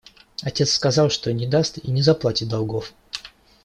Отец сказал, что не даст и не заплатит долгов.